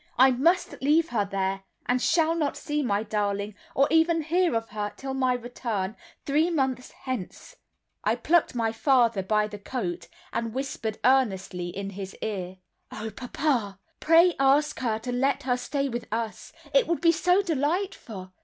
I must leave her there; and shall not see my darling, or even hear of her till my return, three months hence." I plucked my father by the coat, and whispered earnestly in his ear: "Oh! papa, pray ask her to let her stay with us—it would be so delightful.